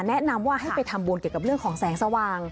แนะนำว่าให้ไปทำบุญเกี่ยวกับเรื่องของแสงสว่าง